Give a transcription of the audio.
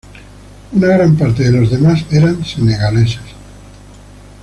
Una gran parte de los demás eran senegaleses.